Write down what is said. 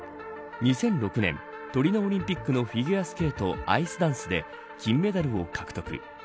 ２００６年トリノオリンピックのフィギュアスケートアイスダンスで金メダルを獲得。